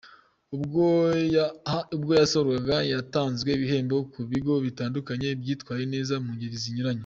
Ubwo yasozwaga hatanzwe ibihembo ku bigo bitandukanye byitwaye neza mu ngeri zinyuranye.